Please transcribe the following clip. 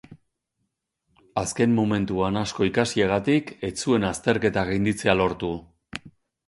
Azken momentuan asko ikasiagatik, ez zuen azterketa gainditzea lortu.